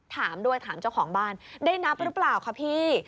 ถามด้วยถามเจ้าของบ้านได้นับหรือเปล่าคะพี่